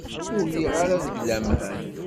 Ur lliɣ ara deg laman.